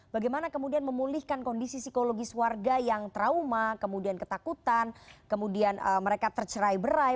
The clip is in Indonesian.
bagaimana kemudian memulihkan kondisi psikologis warga yang trauma kemudian ketakutan kemudian mereka tercerai berai